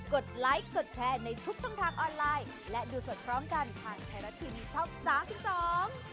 กลิ่นชอบน่าสุดท้อง